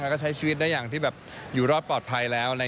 ก็ใช้ชีวิตได้อย่างที่แบบอยู่รอดปลอดภัยแล้ว